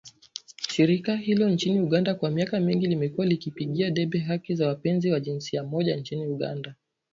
Shirika hilo nchini Uganda kwa miaka mingi limekuwa likipigia debe haki za wapenzi wa jinsia moja nchini Uganda.